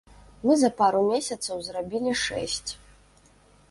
Мы за пару месяцаў зрабілі шэсць.